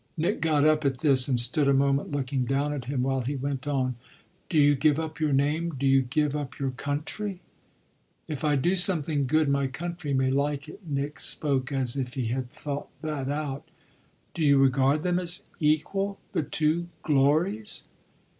Nick got up at this and stood a moment looking down at him while he went on: "Do you give up your name, do you give up your country?" "If I do something good my country may like it." Nick spoke as if he had thought that out. "Do you regard them as equal, the two glories?"